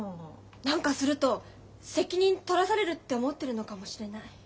何かすると責任取らされるって思ってるのかもしれない。